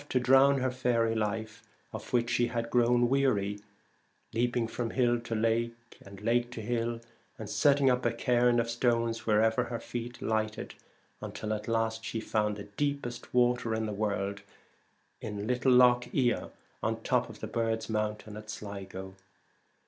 to drown her faery life, of which she had grown weary, leaping from hill to lake and lake to hill, and setting up a cairn of stones wherever her feet lighted, until at last she found the deepest water in the world in little Lough la, on the top of the Birds' Mountain at Sligo.